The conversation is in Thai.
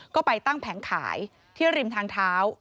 ก็ไปตั้งแผงขายที่ริมทางเท้า